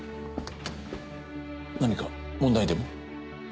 何か問題でも？